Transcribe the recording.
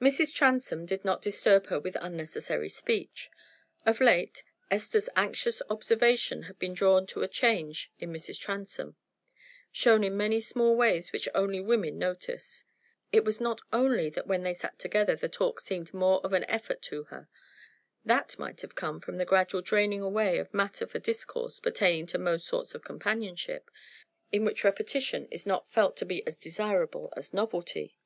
Mrs. Transome did not disturb her with unnecessary speech. Of late, Esther's anxious observation had been drawn to a change in Mrs. Transome, shown in many small ways which only women notice. It was not only that when they sat together the talk seemed more of an effort to her: that might have come from the gradual draining away of matter for discourse pertaining to most sorts of companionship, in which repetition is not felt to be as desirable as novelty.